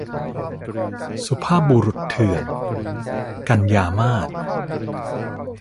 สุภาพบุรุษเถื่อน - กันยามาส